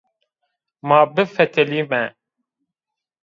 Ma bifetilîme